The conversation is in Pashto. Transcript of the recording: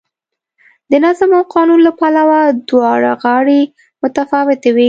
د نظم او قانون له پلوه دواړه غاړې متفاوتې وې.